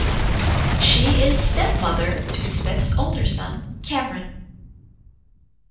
She is stepmother to Smith's older son, Cameron.